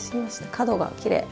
角がきれい。